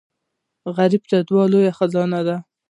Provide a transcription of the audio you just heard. غریب ته دعا لوی خزانه ده